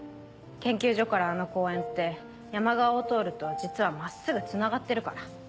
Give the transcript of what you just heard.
研究所からあの公園って山側を通ると実は真っすぐつながってるから。